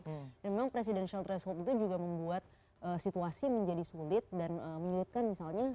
dan memang presidential threshold itu juga membuat situasi menjadi sulit dan menyulitkan misalnya